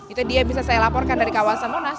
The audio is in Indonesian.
itu dia bisa saya laporkan dari kawasan monas